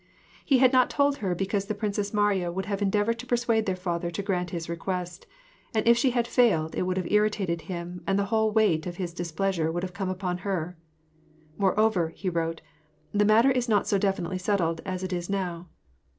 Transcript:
He had not told her because the Princess Mariya would have endeavored to persuade their father to grant his request j and if she had failed, it would have irritated him, and the whole weight of his displeasure would have come upon her. " Moreover," he wrote, " the matter was not so definitely settled as it is now.